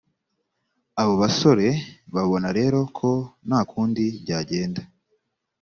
abo basore babona rero ko nta kundi byagenda